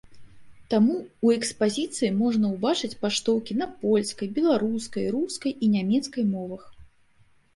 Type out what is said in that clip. Таму ў экспазіцыі можна ўбачыць паштоўкі на польскай, беларускай, рускай і нямецкай мовах.